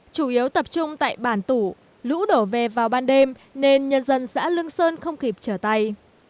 chủ yếu tập trung tại bản tủ lũ đổ về vào ban đêm nên nhân dân xã lương sơn không kịp trở tay